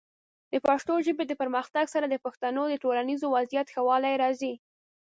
د پښتو ژبې د پرمختګ سره، د پښتنو د ټولنیز وضعیت ښه والی راځي.